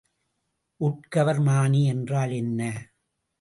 உட்கவர்மானி என்றால் என்ன?